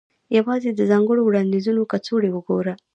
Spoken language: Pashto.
یوازې د ځانګړو وړاندیزونو کڅوړې وګوره